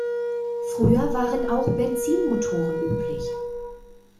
Früher waren auch Benzinmotoren üblich.